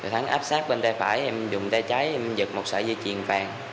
thắng áp sát bên tay phải em dùng tay trái em giật một sợi dây chuyền vàng